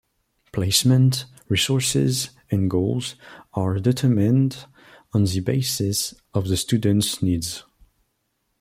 Placement, resources, and goals are determined on the basis of the student's needs.